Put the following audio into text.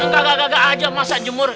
gagak gagak aja masak jemur